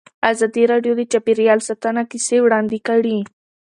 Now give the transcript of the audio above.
ازادي راډیو د چاپیریال ساتنه کیسې وړاندې کړي.